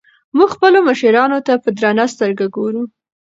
موږ خپلو مشرانو ته په درنه سترګه ګورو.